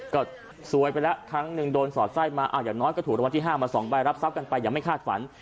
ก็ซวยไปแล้วครั้งหนึ่งโดนสอดไส้มาอย่างน้อยก็ถูกรางวัลที่๕มา๒ใบรับทรัพย์กันไปอย่างไม่คาดฝัน